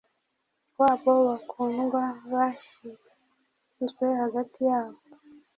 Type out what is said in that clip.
wabo bakundwabashyizwe hagati yabo